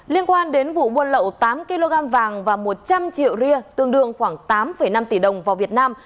liên quan đến vụ buôn lậu tám kg vàng và một trăm linh triệu ria tương đương khoảng tám năm tỷ đồng vào việt nam